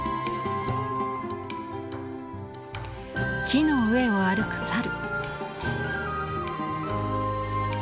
木の上を歩く猿。